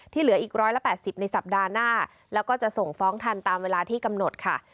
เหลืออีก๑๘๐ในสัปดาห์หน้าแล้วก็จะส่งฟ้องทันตามเวลาที่กำหนดค่ะ